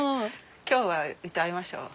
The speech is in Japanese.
今日は歌いましょう。